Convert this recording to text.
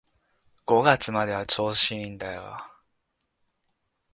五月までは調子いいんだよ